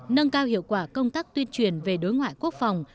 nâng cao hiệu quả công tác tuyên truyền về đối ngoại quốc phòng